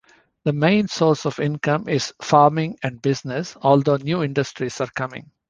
The main source of income is farming and Business, although new industries are coming.